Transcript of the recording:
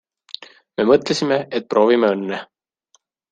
Me mõtlesime, et proovime õnne.